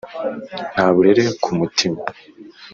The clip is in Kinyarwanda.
nta burere kumutima